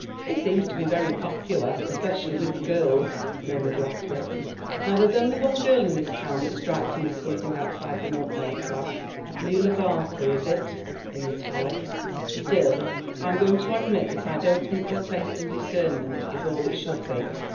"He seems to be very popular, especially with the girls," murmured Rackliff. "Now there's only one girl in this town that strikes me as something outside the milkmaid class. Lela Barker is it in italics. Still, I'm going to admit that I don't think her taste and discernment is all it should be.